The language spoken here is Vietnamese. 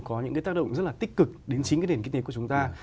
có những cái tác động rất là tích cực đến chính cái nền kinh tế của chúng ta